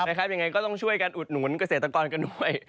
ยังไงก็ต้องช่วยกันอุดหนุนเกษตรกรกันด้วย